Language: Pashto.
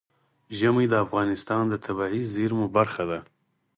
ژمی د افغانستان د طبیعي زیرمو برخه ده.